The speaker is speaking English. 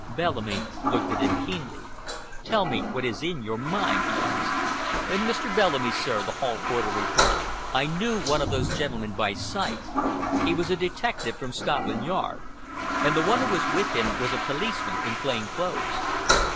Bellamy looked at him keenly. "Tell me what is in your mind?" he asked. "Mr. Bellamy, sir," the hall porter replied, "I knew one of those gentlemen by sight. He was a detective from Scotland Yard, and the one who was with him was a policeman in plain clothes."